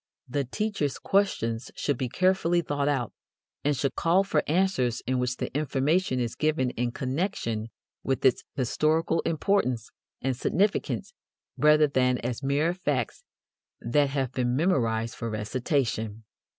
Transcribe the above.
The teacher's questions should be carefully thought out, and should call for answers in which the information is given in connection with its historical importance and significance rather than as mere facts that have been memorized for recitation.